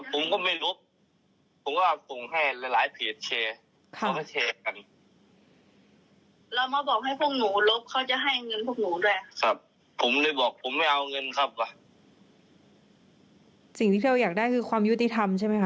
สิ่งที่เราอยากได้คือความยุติธรรมใช่ไหมคะ